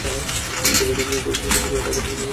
উদরপূর্তির প্রশ্নটি ছিল তাদের দুর্বল পয়েন্ট।